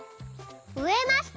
「うえました」。